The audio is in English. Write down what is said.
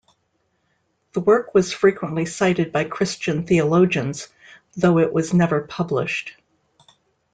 The work was frequently cited by Christian theologians, though it was never published.